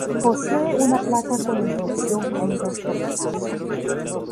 Posee una placa con la inscripción "Caídos por la Paz".